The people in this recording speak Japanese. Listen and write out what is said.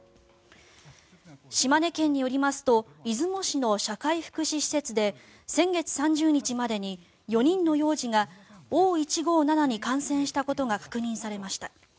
島根県によりますと出雲市の社会福祉施設で先月３０日までに４人の幼児がＯ−１５７に感染したことが確認されました。